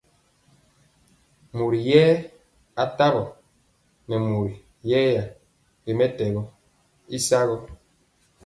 Mori yɛ atombo nɛ mori yɛya ri mɛtɛgɔ y sagɔ.